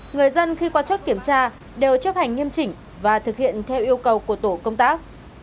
người dân khi qua chốt kiểm tra đều chấp hành nghiêm chỉnh và thực hiện theo yêu cầu của tổ công tác